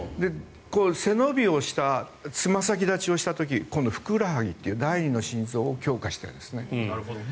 背伸びをしたつま先立ちをした時今度、ふくらはぎ第２の心臓を強化してるんですね。